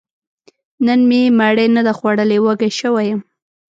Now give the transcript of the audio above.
نن مې مړۍ نه ده خوړلې، وږی شوی يم